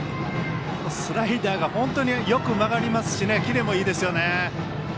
スライダーが本当によく曲がりますしキレもいいですよね。